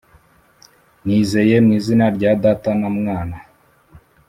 Nizeye mwizina ryadata namwana